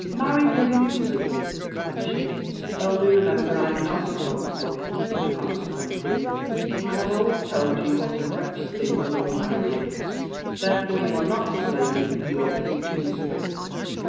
"Marry whom you please," said she; "only remember I am not responsible for the consequences. I have always told you what a wretched thing a love marriage is, therefore you are not to blame me for your future misery."